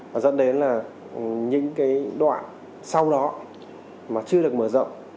và dẫn đến là những cái đoạn sau đó mà chưa được mở rộng